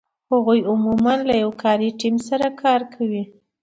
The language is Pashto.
هغوی عمومآ له یو کاري ټیم سره کار کوي.